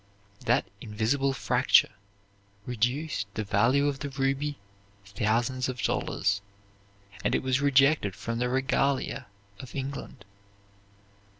That invisible fracture reduced the value of the ruby thousands of dollars, and it was rejected from the regalia of England.